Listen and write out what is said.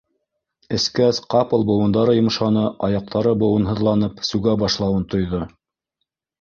Эскәс, ҡапыл быуындары йомшаны, аяҡтары быуынһыҙланып, сүгә башлауын тойҙо.